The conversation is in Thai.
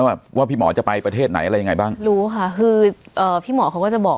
สวัสดีครับทุกผู้ชม